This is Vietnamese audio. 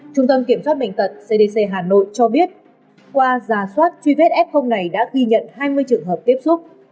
trung tâm kiểm soát bệnh tật cdc hà nội cho biết qua giả soát truy vết f này đã ghi nhận hai mươi trường hợp tiếp xúc